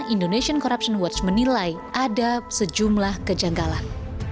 indonesian corruption watch menilai ada sejumlah kejanggalan